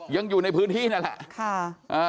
ยังอยู่ในพื้นที่นั่นแหละ